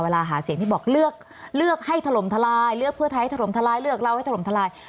หาเสียงที่บอกเลือกให้ถล่มทลายเลือกเพื่อไทยถล่มทลายเลือกเล่าให้ถล่มทลาย